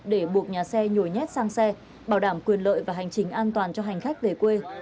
để buộc nhà xe nhồi nhét sang xe bảo đảm quyền lợi và hành trình an toàn cho hành khách về quê